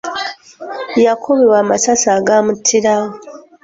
Yakubibwa amasasi agaamuttirawo.